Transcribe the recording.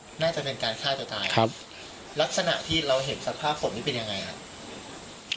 น่าจะเป็นการฆ่าตัวตายครับลักษณะที่เราเห็นสภาพศพนี่เป็นยังไงครับ